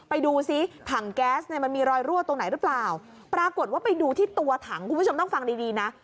ไปดูซิถังแก๊สเนี่ยมันมีรอยรั่วตรงไหนหรือเปล่าปรากฏว่าไปดูที่ตัวถังคุณผู้ชมต้องฟังดีดีนะ